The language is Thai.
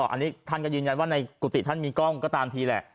อันนี้ท่านก็ยืนยันว่าในกุฏิท่านมีกล้องก็ตามทีแหละ